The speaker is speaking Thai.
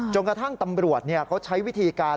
กระทั่งตำรวจเขาใช้วิธีการ